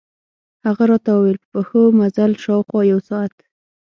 هغه راته ووېل په پښو مزل، شاوخوا یو ساعت.